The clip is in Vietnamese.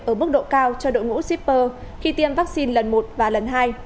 ở mức độ cao cho đội ngũ shipper khi tiêm vaccine lần một và lần hai